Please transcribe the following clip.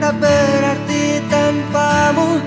tak berarti tanpamu